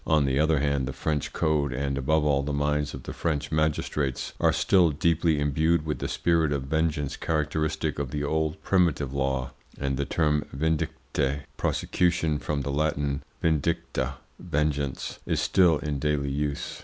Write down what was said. On the other hand, the French code, and above all the minds of the French magistrates, are still deeply imbued with the spirit of vengeance characteristic of the old primitive law, and the term "vindicte" (prosecution, from the Latin vindicta, vengeance) is still in daily use.